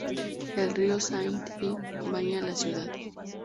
El río Saint-Jean baña la ciudad.